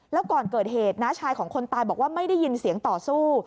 แล้วก่อนเกิดเหตุน้าชายของคนตายบอกว่าไม่ได้ยินเสียงต่อสู้